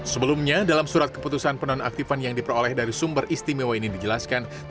sebelumnya dalam surat keputusan penonaktifan yang diperoleh dari sumber istimewa ini dijelaskan